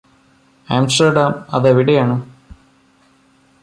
Amsterdam അതെവിടെയാണ്